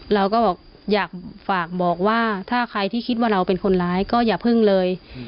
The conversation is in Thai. เราก็บอกอยากฝากบอกว่าถ้าใครที่คิดว่าเราเป็นคนร้ายก็อย่าพึ่งเลย